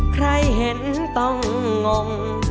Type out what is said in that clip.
ใครเห็นต้องงง